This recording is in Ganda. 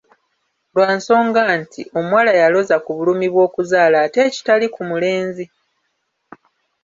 Lwa nsonga nti, omuwala yaloza ku bulumi bw'okuzaala ate ekitali ku mulenzi.